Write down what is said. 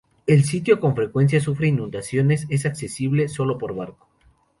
El sitio con frecuencia sufre inundaciones, es accesible sólo por barco.